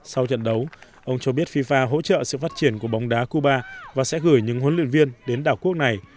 sau trận đấu ông cho biết fifa hỗ trợ sự phát triển của bóng đá cuba và sẽ gửi những huấn luyện viên đến đảo quốc này